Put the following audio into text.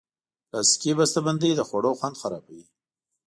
پلاستيکي بستهبندۍ د خوړو خوند خرابوي.